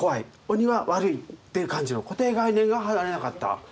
鬼は悪いっていう感じの固定概念が離れなかった。